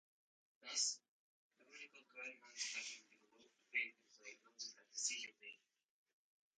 Thus, clinical guidelines have been developed to aid in diagnosis and decision-making.